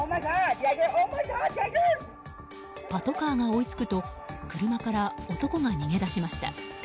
パトカーが追いつくと車から男が逃げ出しました。